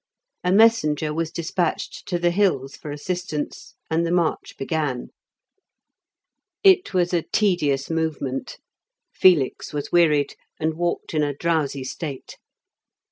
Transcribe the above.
A messenger was despatched to the hills for assistance, and the march began. It was a tedious movement. Felix was wearied, and walked in a drowsy state.